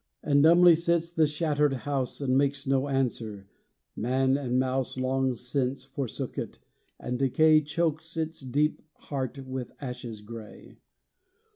But dumbly sits the shattered house, And makes no answer: man and mouse Long since forsook it, and decay Chokes its deep heart with ashes gray.